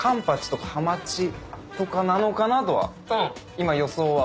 今予想は。